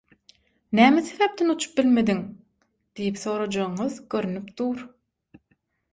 Näme sebäpden uçup bilmediň?“ diýip sorajagyňyz görnüp dur.